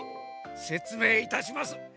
せつめいいたします。